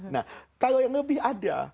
dua puluh nah kalau yang lebih ada